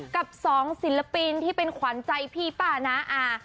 กับสองศิลปินที่เป็นขวัญใจพี่ป้าน้าอา